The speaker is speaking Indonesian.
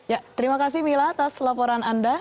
ya terima kasih mila atas laporan anda